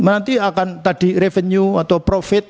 nanti akan tadi revenue atau profit